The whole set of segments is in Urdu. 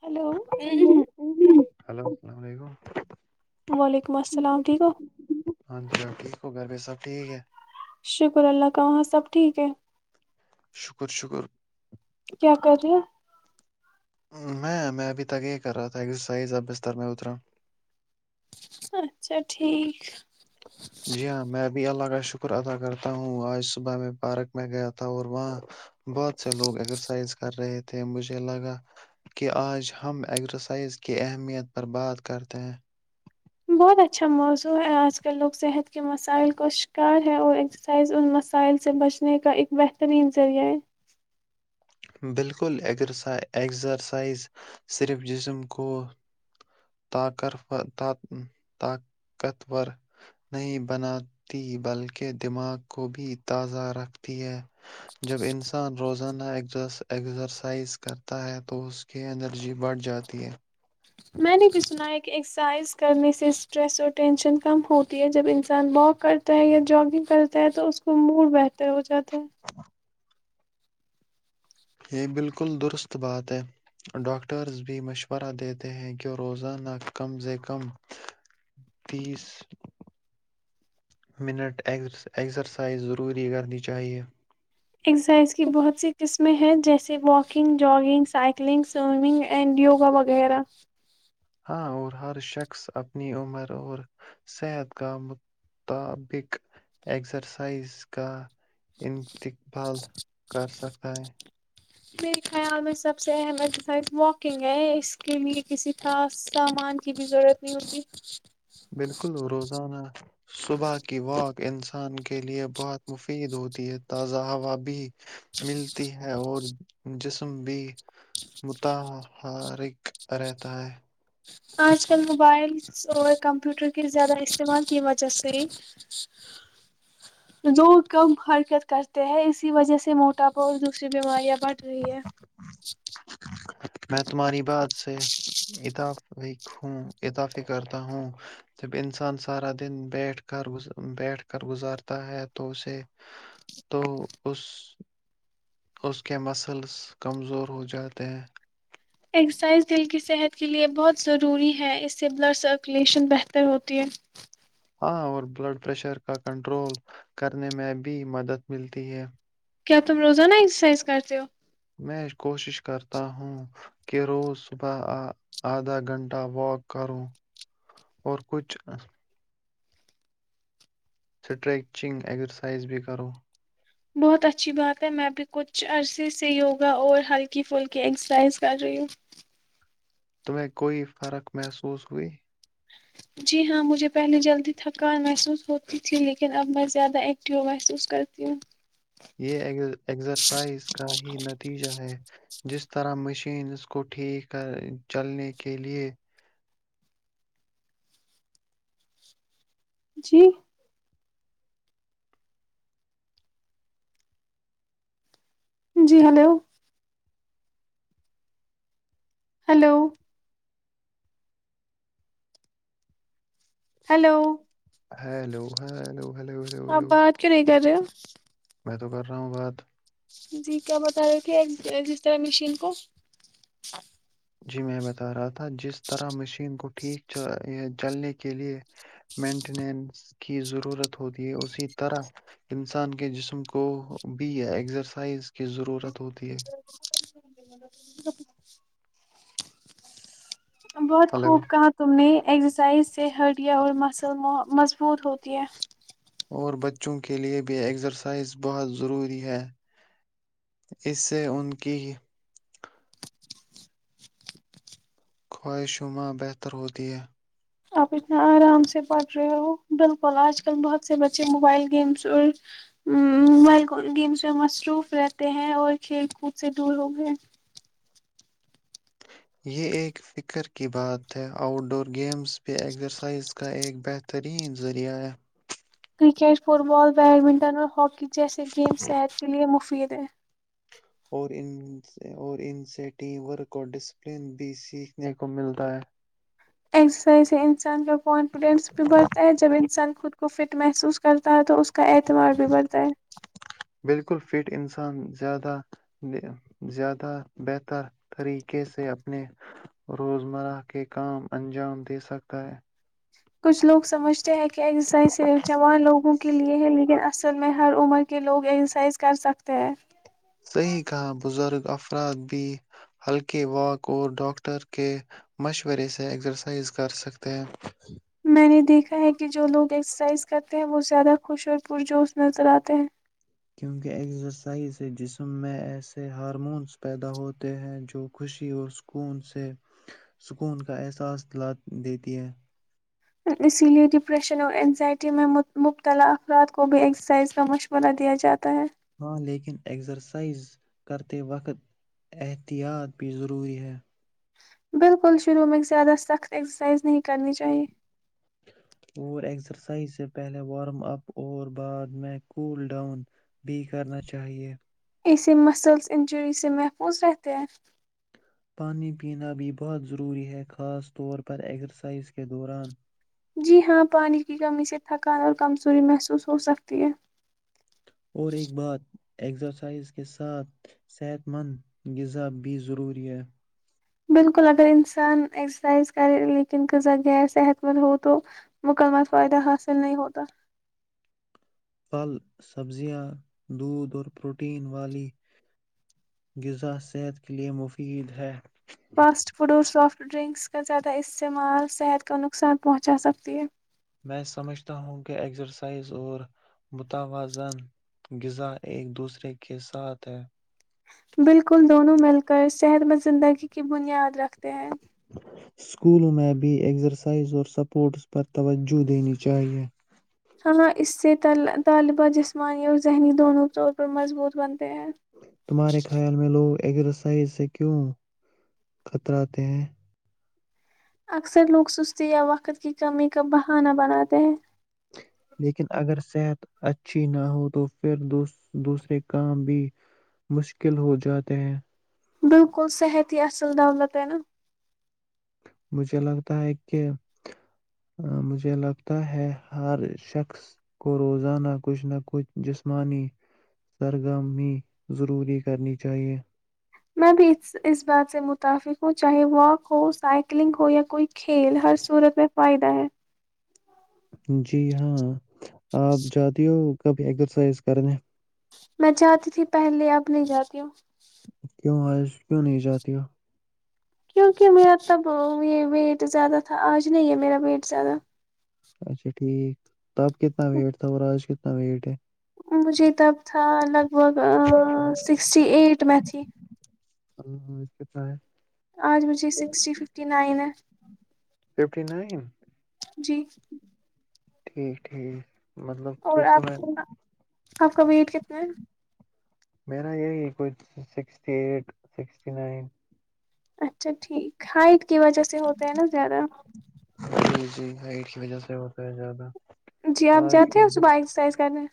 ہلو ہلو السلام علیکم وعلیکم السلام ٹھیک ہو ہاں ج ٹھیک کر رہ شکر اللہ کہاں سب ٹھیک ہے شکر شکر کیا کر رہے ہیں میں میں ابھی تک یہ کر رہا تھا ایکسرسائز اب بستر میں اترا اچھا ٹھیک جی ہاں میں ابھی اللہ کا شکر ادا کرتا ہوں آج صبح میں پارک میں گیا تھا اور وہاں بہت سے لوگ ایگزرسائز کر رہے تھے مجھے لگا کہ آج ہم اگزرسائز کی اہمیت پر بات کرتے ہیں بہت اچھا موضوع ہے آج کل لوگ صحت کے مسائل کا شکار ہیں اور ایکسرسائز ان مسائل سے بچنے کا ایک بہترین ذریعہ ہے بالکل ایگزرسائز صرف جسم کو ط طاقتور نہیں بناتی بلکہ دماغ کو بھی تازہ رکھتی ہے جب انسان روزانہ س ایکزرسائز کرتا ہے تو اس کی انرجی بڑھ جاتی ہے میں نے بھی سنا ہے کہ ایکسرسائز کرنے سے اسٹریس اور ٹینشن کم ہوتی ہے جب انسان واک کرتا ہے یا جگنگ کرتا ہے تو اس کو موڈ بہتر ہو جاتا ہے یہ بالکل درست ہے۔ ڈاکٹر بھی روزانہ کم از کم تیس کیلوریز استعمال کرنے کا مشورہ دیتے ہیں۔ منٹ ایکگزرسائز ضروری کرنی چاہیئے اسسائز کی بہت سی قسمیں ہیں جے walking joggings cycling swimming and yoga وغیرہ ہاں اور ہر شخص اپنی عمر اور صحت کا مطابق ایکسرسائز کا انتقبال کر سکتا ہے میرے خیال میں سب سے اہم ایکسرسائز واکنگ ہے اس کے لیے کسی خاص سامان کی بھی ضرورت نہیں ہوتی بالکل روزانہ صبح کی وات انسان کے لیے بہت مفید ہوتی ہے تازہ ہوا بھی ملتی ہے اور جس بھی متاحرک رہتا ہے آج کل موبائلس اور کمپیوٹر کے زیادہ استعمال کی وجہ سے ل کم حرکت کرتے ہیں اسی وجہ سے موٹاپا اور دوسری بیماریاں بٹ رہی ہے میں تمہاری بات سے یہ تو وہوں اضافی کرتا ہوں جب انسان سارا دن بیٹھ کر بیٹھ کر گزارتا ہے تو اسے تو اس اس کے مسلس کمزور ہو جاتے ہیں اکسرسائز دل کی صحت کے لیے بہت ضروری ہے اس سے بلڈ سرکولیشن بہتر ہوتی ہے ہاں اور بلڈ پریشر کا کنٹرول کرنے میں بھی مدد ملتی ہے کیا تم روزانہ ایکسرسائز کرتے ہو میں کوشش کرتا ہوں کہ روز صبح آدھا گھنٹہ واک کروں اور کچھ سٹریچنگ ایکزرسائز بھی کرو بہت اچھی بات ہے میں اب کچھ عرصے سے یوگا اور ہلکی پھلکی ایکسرسائز کر رہی ہوں تمہیں کوئی فرق محسوس ہوئی جی ہاں مجھے پہلے جلدی تھکان محسوس ہوتی تھی لیکن اب میں زیادہ ایکٹیو محسوس کرتی ہوں یہ ایگزرسائز کا ہی نتیجہ ہے جس طرح مشین اس کو ٹھیک کر چلنے کے لیے جی جی ہلو ہلو ہیلو ہلو ہاں ہلو بلے بلو ہلو بس میں تو کر رہا ہوں بات جی کیا بتا رہے تھے جس طرح مشین کو جی میں بتا رہا تھا جس طرح مشین کو ٹھیک چ چلنے کے لیے مینٹینینس کی ضرورت ہوتی ہے اسی طرح انسان کے جسم کو بھی ایکسرسائز کی ضرورت ہوتی ہے م ک [inaudible] بہت ہیلو خوب کہا تم نے ایکزرسائز سے ہڈیا اور مسل مضبوط ہوتی ہے اور بچوں کے لے بھی ایکسرسائز بہت ضروری ہے اس سے ان کی خواہشما بہتر ہوتی ہے آپ اتنا آرام سے پڑھ رہے ہو بالکل آج کل بہت سے بچے موبائل گیمس اور موبائل گیمس میں مصروف رہتے ہیں اور کھیل کود سے دور ہو گئے یہ ایک فکر کی بات ہے آؤٹ ڈور گیمز یہ ایکزرسائز کا ایک بہترین ذریعہ ہے ٹ فٹ بال بیڈمنٹن اور ہاکی جیسے گیم صحت کے لیے مفید تو [unintelligible] اور اور ان سے ٹیم ورک اور ڈسپلن بھی سیکھنے کو ملتا ہے ایکسرسائز ہے انسان جو کانفیڈینس بھی بڑتا ہے جب انسان خود کو فٹ محسوس کر تا تو اس کا اعتبار بھی بڑھتا ہے بالکل فٹ انسان زیادہ زیادہ بہتر طریقے سے اپنے روزمرہ کے کام انجام دے سکتا ہے کچھ لوگ سمجھتے چسرسائز صرف جوان لوگوں کے لیے ہے لیکن ا ل میں ہر عمر کے لوگ ایکسرسائز کر سکتے ہیں صحیح کہااں بزرگ آ افراد بھی ہلکے واک اور ڈاکٹر کے مشورے سے ایکسرسائز کر سکتے ہیں میں نے دیکھا ہے کہ جو لوگ ایکسرسائز کرتے ہیں وہ زیادہ خوش اور پرجوش نظر آتے ہیں کیونکہ ایکسرسائز سے جسم میں ایسے ہارمونس پیدا ہوتے ہیں جو خوشی اور سکون سے سکون کا احساس د دیتی ہے اسی لیے ڈپریشن اور انینزائٹی میں مبتلا افراد کو بھی ایکسرسائز کا مشورہ دیا جاتا ہے ہاں لیکن ایکسرسائز کرتے وقت احتیاط بھی ضروری ہے بالکل شروع میں زیادہ سخت ایکسرسائز نہیں کرنی چاہیے اور ایکسرسائز سے پہلے وارم اپ اور بعد میں کول ڈاؤن بھی کرنا چاہیئے اسے مسلس انجری سے محفوظ رہتے ہیں پانی پینا بھی بہت ضروری ہے خاص طور پر ایکزرسائز کے دوران جی ہاں پانی کی کمی سے تھکان اور کمزوری محسوس ہو سکتی ہے اور ایک بات ایکزرسائز کے ساتھ صحت مند غذا بھی ضروری ہے بالکل اگر انسان ایسرسائز کرے لیکن غذہ گیر صحت مند ہو تو مکمہ فائدہ حاصل نہیں ہوتا پھل سبزیاں دودھ اور پروٹین والی غذا صحت کے لیئے مفید ہے فاسٹ فوڈ اور سافٹ ڈرنکس کا زیادہ استعمال صحت کو نقصان پہنچا سکتی ہے میں سمجھتا ہوں کہ ایکسرسائز اور متوازن غذا ایک دوسرے کے ساتھ ہے بالکل دونوں مل کر صحت مند زندگی کی بنیاد رکھتے ہیں اسکولوں میں بھی ایکزرسائز اور سپورٹس پر توجہ دینی چاہیئے ہاں اس سے طالبہ جسمانی اور ذہنی دونوں کے طور پر مضبوط بن تمہارے خیال میں لوگ ایکزرسائز سے کیوں خطرہ آے ہیں اکثر لوگ سستی یا وقت کی کمی کا بہانا بناتے ہیں لیکن اگر صحت اچھی نہ ہو تو پھر دوسرے کام بھی مشکل ہو جاتے ہیں بالکل صحت ہی اصل ڈولتینا مجھے لگتا ہے کہ مجھے لگتا ہے ہر شخص کو روزانہ کچھ نہ کچھ جسمانی سرگرمی ضروری کرنی چاہیے میں بھی اس اس بات سے متفق ہوں چاہے واک ہو سائیکلنگ ہو یا کوئی کھیل ہر صورت میں فائدہ ہے جی ہاں آپ جاتی ہو کبھی ایگزرسائز کرنے میں چاہتی تھی پہلے اب نہیں جاتی ہوں آ کیوں نہیں جاتی ہو کیونکہ میرا تب یہ ویٹ زیادہ تھا آج نہیں ہے میرا ویٹ زیادہ اچھا ٹھیک تب کتنا ویٹ تھا اور آج نٹ [unintelligible] مجھے تب تھا الگ لگ بھگ سکسٹی ایٹ میتھی ہاں ہاں اس کےتا ہے آج مجھے سکسٹی ففٹی نائن ہے ففٹی نائن جی ٹھیک ٹھیک مطلب پھر اور تو آپ میں آپ کا ویٹ کتنا ہے میرا یہی کوئی سکسٹی ایٹ سکسٹی نائن اچھا ٹھیک ہائٹ کی وجہ سے ہوتا ہے نا زیادہ جی جی ہ کی وجہ سے ہوتا ہے زیادہ جی آپ آج جاتے کی ہو صبح ایکسرسائز کرنے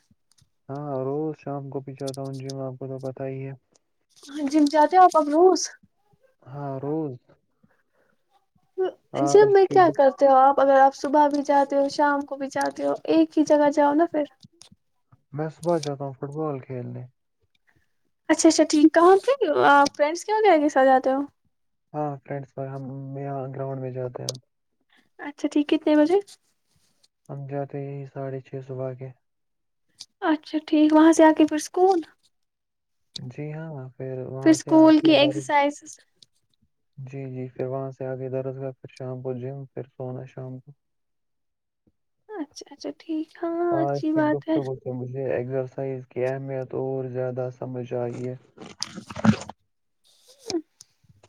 ہاں روز شام کو بھی چاہتا ہوں جی میں آپ کو تو پتا ہی ہے ہ جم جاہتے ہوپم روس ہاں روز جی آج میں کے کیا کرتے ہوں آپ اگر آپ صبح بھی جاتے ہو شام کو بھی جاتے ہو ایک ہی جگہ جاؤ نا پھر میں صبح جاتا ہوں فٹ بال کھیلنے اچھا اچھا ٹھیک کہاں پھر فرینڈس کیوں کیائے گ ساتھ جاتے ہو ہاں فرینڈس ہما گراؤنڈ میں جاتے ہیں اچھا ٹھیک کتنے بجے ہم جاتے ہی ساڑھے چھ صبح کے اچھا ٹھیک وہاں سے آ کے پھر اسکول جی ہاں پھر وہاں سے آ اسکول کی کے درس ایکسرسائزز جی جی پھر وہاں سے آگے درس کا پھر شام کو جم پھر سونا شام کو اچھا اچھا ٹھیک ہاں اس اچھی کی بات ہے گفتگو کی مجھے ایکسرسائز کی اہمیت اور زیادہ سمجھ آئی ہے [inaudible]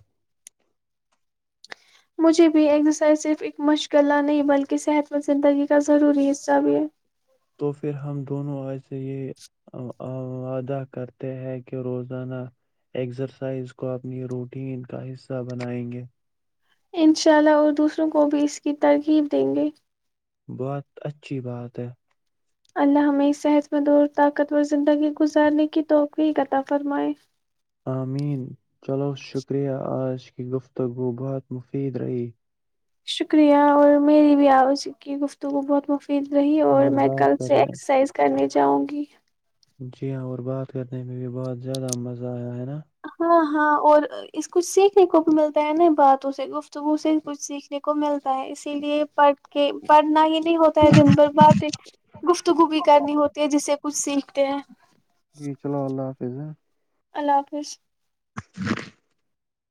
مجھے بھی ایکزرسائز صرف ایک مشغلہ نہیں بلکہ صحت مند زندگی کا ضروری حصہ بھی ہے تو پھر ہم دونوں آج سے وعدہ کرتے ہیں کہ روزانہ ایکسرسائز کو اپنی روٹین کا حصہ بنائیں گے انشاء اللہ اور دوسروں کو بھی اس کی ترغیب دیں گے بہت اچھی بات ہے اللہ ہمیں صحت مند اور طاقتور زندگی گزارنے کی توفیق عطا فرمائے آمین چلو شکریہ آج کی گفتگو بہات مفید رہی شکریہ اور میری بھی اپ سے کی گفتگ کو بہت مفید اور میں کل بات سے کرنے ایکسرسائز کر رہی ہوں جاؤ گی جی ہاں اور بات کرنے میں بھی بہت زیادہ مزہ آیا ہے نا ہاں ہاں اور اس کچھ سیکھنے کو بھی ملتا ہے نا باتوں سے گفتگو سے کچھ سیکھنے کو ملتا ہے اسی لیے پڑھ کے پڑھنا ہی نہیں ہوتا ہے دن بھر بعد گفتگو بھی کرنی ہوتی ہے جس سے کچھ سیکھ کہ [unintelligible] [inaudible] جی چلو اللہ [inaudible] اللہ حافظ [inaudible]